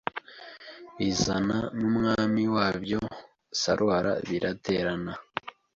bizana n'umwami wabyo Saruhara Biraterana